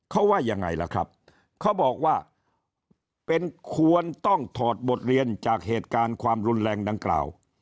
เขาว่ายังไงล่ะครับเขาบอกว่าเป็นควรต้องถอดบทเรียนจากเหตุการณ์ความรุนแรงดังกล่าว